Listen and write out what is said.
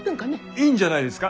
いいんじゃないんですか？